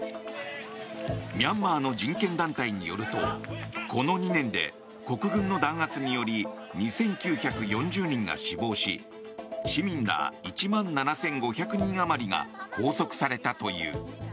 ミャンマーの人権団体によるとこの２年で国軍の弾圧により２９４０人が死亡し市民ら１万７５００人余りが拘束されたという。